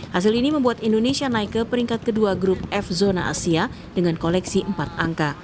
hasil ini membuat indonesia naik ke peringkat kedua grup f zona asia dengan koleksi empat angka